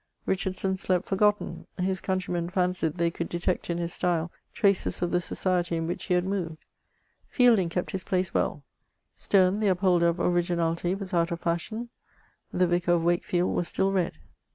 Bichardson slept forgotten; his country men fancied they could detect in his style traces of the society in wluch he had moved. Fielding kept his place well ; Sterne, the upholder of orig^inahty, was out of fasmon ; the Vkar of Wakefield was still read.